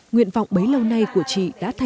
nguyện vọng mấy lâu nay của chị đã thành sự thật